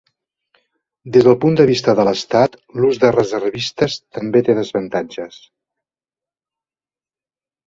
Des del punt de vista de l'Estat, l'ús de reservistes també té desavantatges.